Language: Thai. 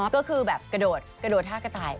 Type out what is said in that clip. ก็คือแบบกระโดดกระโดดท่ากระต่าย